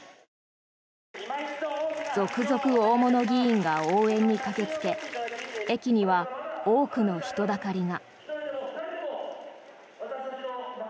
続々、大物議員が応援に駆けつけ駅には多くの人だかりが。